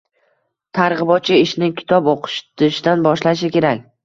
Targ‘ibotchi ishni kitob o‘qitishdan boshlashi kerak.